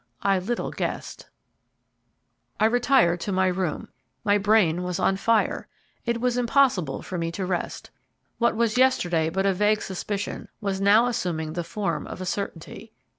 I little guessed ... I retired to my room; my brain was on fire; it was impossible for me to rest. What was yesterday but a vague suspicion was now assuming the form of a certainty.